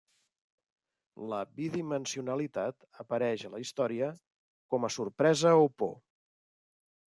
La bidimensionalitat apareix a la història com a sorpresa o por.